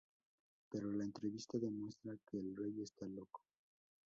Pero la entrevista demuestra que el rey está loco.